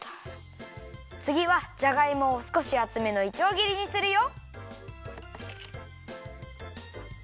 つぎはじゃがいもをすこしあつめのいちょうぎりにするよ。